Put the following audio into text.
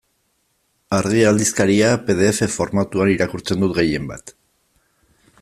Argia aldizkaria pe de efe formatuan irakurtzen dut gehienbat.